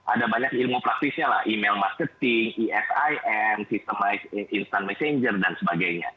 ada banyak ilmu praktisnya email marketing e sign systemized instant messenger dan sebagainya